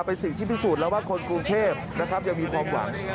เป็นสิ่งที่พิสูจน์แล้วว่าคนกรุงเทพนะครับยังมีความหวัง